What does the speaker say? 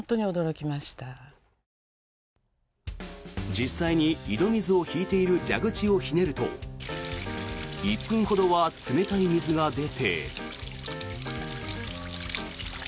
実際に井戸水を引いている蛇口をひねると１分ほどは冷たい水が出て。